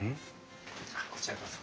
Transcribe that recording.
こちらへどうぞ。